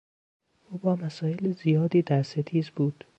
او با مسایل زیادی در ستیز بود.